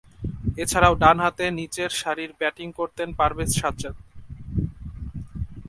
এছাড়াও, ডানহাতে নিচেরসারিতে ব্যাটিং করতেন পারভেজ সাজ্জাদ।